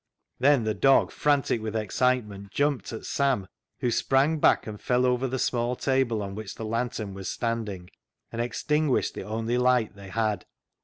" Then the dog, frantic with excitement, jumped at Sam, who sprang back and fell over the small table on which the lantern was standing, and extinguished the only light they had.